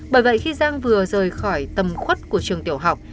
bởi vậy khi giang vừa rời khỏi tầm khuất của trường tiểu học